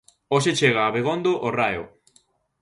Hoxe chega a Abegondo o Raio.